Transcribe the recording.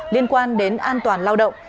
liên quan đến an toàn lao động